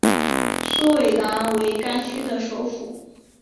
苏韦达为该区的首府。